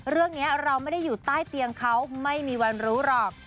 เรื่องนี้เราไม่ได้อยู่ใต้เตียงเขาไม่มีวันรู้หรอก